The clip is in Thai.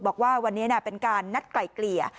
บอกว่าวันนี้เป็นการนัดไกล่เกลี่ย